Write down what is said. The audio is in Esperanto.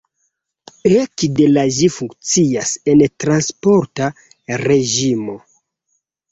Ekde la ĝi funkcias en transporta reĝimo.